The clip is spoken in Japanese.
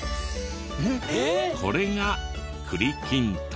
これが栗きんとん。